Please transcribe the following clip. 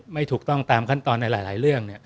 ไม่ถูกต้องตามขั้นตอนในหลายเรื่อง